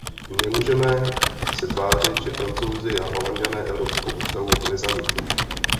Nemůžeme se tvářit, že Francouzi a Holanďané evropskou ústavu nezamítli.